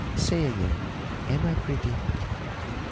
Say again, am I pretty?"